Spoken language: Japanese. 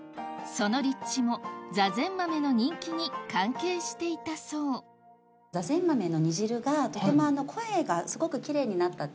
その立地もざぜん豆の人気に関係していたそうということで。